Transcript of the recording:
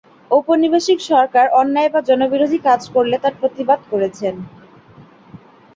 ঔপনিবেশিক সরকার অন্যায় বা জনবিরোধী কাজ করলে তার প্রতিবাদ করেছেন।